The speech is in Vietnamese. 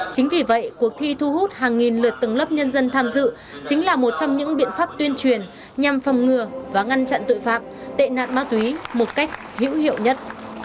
chính vì vậy cuộc thi thu hút hàng nghìn lượt từng lớp nhân dân tham dự chính là một trong những biện pháp tuyên truyền nhằm phòng ngừa và ngăn chặn tội phạm tệ nạn ma túy một cách hữu hiệu nhất